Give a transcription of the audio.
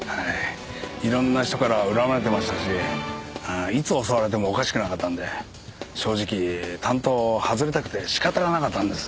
いろんな人から恨まれてましたしいつ襲われてもおかしくなかったんで正直担当を外れたくて仕方がなかったんです。